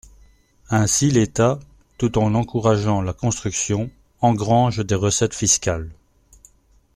Ainsi l’État, tout en encourageant la construction, engrange des recettes fiscales.